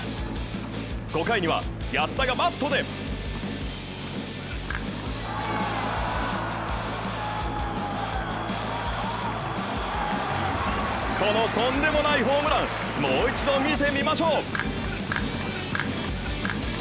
５回には安田がバットでこのとんでもないホームランもう一度見てみましょう。